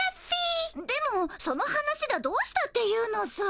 でもその話がどうしたっていうのさ。